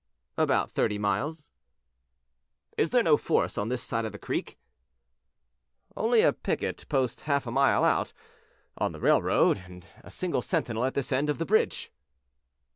"About thirty miles." "Is there no force on this side the creek?" "Only a picket post half a mile out, on the railroad, and a single sentinel at this end of the bridge."